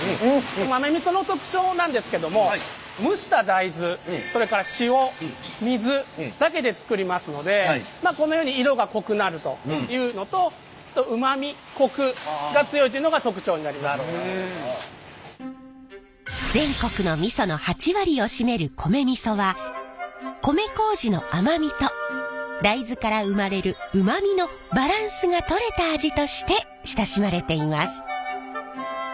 豆味噌の特徴なんですけども蒸した大豆それから塩水だけでつくりますのでこのように色が濃くなるというのと全国の味噌の８割を占める米味噌は米麹の甘みと大豆から生まれるうまみのバランスがとれた味として親しまれています。